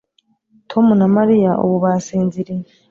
Tom na Mariya ubu basinziriye